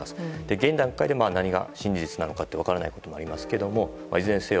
現段階で何が真実なのか分からないこともありますけどもいずれにせよ